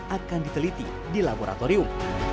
akan diteliti di laboratorium